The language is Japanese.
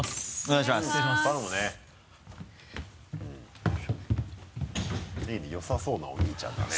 いいねよさそうなお兄ちゃんだね。